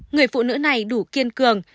người phụ nữ này đủ kiên cường